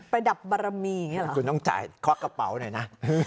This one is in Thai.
ประดับบารแมนของตายยกแปาหนึ่งนะ